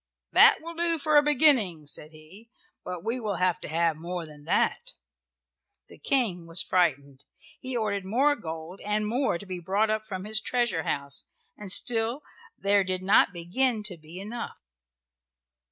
"That will do for a beginning," said he, "but we will have to have more than that." The King was frightened. He ordered more gold and more to be brought up from his treasure house, and still there did not begin to be enough.